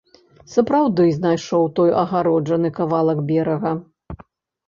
Сапраўды знайшоў той агароджаны кавалак берага.